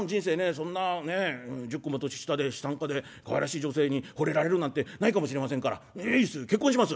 そんなね１０個も年下で資産家でかわいらしい女性に惚れられるなんてないかもしれませんからいいっすよ結婚します！」。